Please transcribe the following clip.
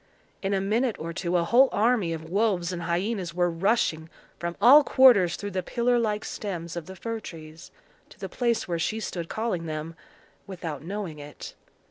In a minute or two a whole army of wolves and hyenas were rushing from all quarters through the pillar like stems of the fir trees, to the place where she stood calling them, without knowing it.